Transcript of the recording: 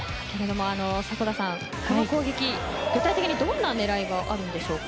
迫田さん、この攻撃は具体的にどんな狙いがあるんでしょうか。